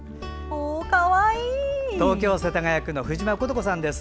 東京都世田谷区の藤間琴子さんです。